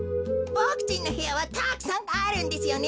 ボクちんのへやはたくさんあるんですよね。